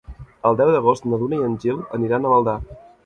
El deu d'agost na Duna i en Gil aniran a Maldà.